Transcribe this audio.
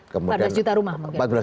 empat belas juta rumah